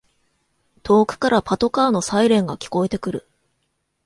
遠くからパトカーのサイレンが聞こえてくる